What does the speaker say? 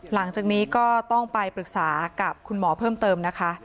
หลังจากนี้ก็ต้องไปปรึกษากับคุณหมอเพิ่มเติมนะคะ